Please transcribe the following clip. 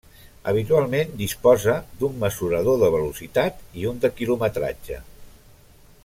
Habitualment disposa d'un mesurador de velocitat i un de quilometratge.